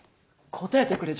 答えてくれ！